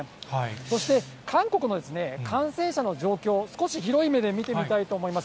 そして韓国の感染者の状況、少し広い目で見てみたいと思います。